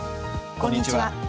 こんにちは。